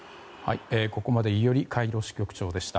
ここまで伊従カイロ支局長でした。